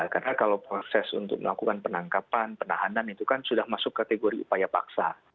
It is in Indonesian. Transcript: karena kalau proses untuk melakukan penangkapan penahanan itu kan sudah masuk kategori upaya paksa